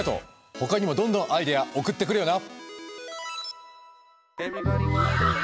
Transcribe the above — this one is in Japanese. ほかにもどんどんアイデア送ってくれよな。